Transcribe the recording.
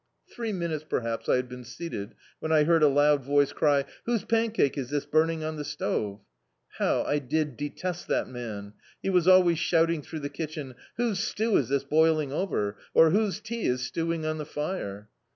Three minutes perhaps I had been seated when I heard a loud voice cry — "Whose pancake is this burning on the stove ?" How I did detest that man : he was always shouting through the kitdien — "Whose stew is this boiling over?" or "Whose tea is stewing on the lire?"